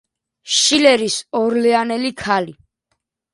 შილერის „ორლეანელი ქალი“.